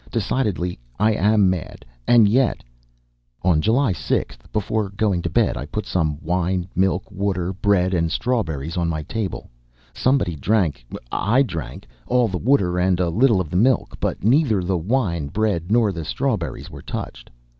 Decidedly I am mad! And yet! On July 6th, before going to bed, I put some wine, milk, water, bread and strawberries on my table. Somebody drank I drank all the water and a little of the milk, but neither the wine, bread nor the strawberries were touched.